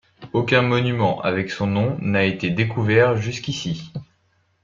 Aucun monument avec son nom n'a été découvert jusqu'ici.